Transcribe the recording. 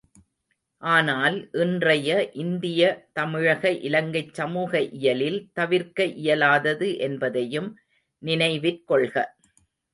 ஆனால், இன்றைய இந்திய தமிழக இலங்கைச் சமூக இயலில் தவிர்க்க இயலாதது என்பதையும் நினைவிற்கொள்க.